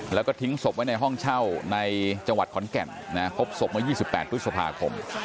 แล้วก็ทิ้งศพไว้ในห้องเช่าในจังหวัดขอนแก่นนะครับพบศพมา๒๘ปุศภาคม